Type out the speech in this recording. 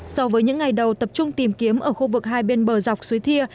so với những ngày đầu tập trung tìm kiếm ở khu vực hai bên bờ dọc suối thia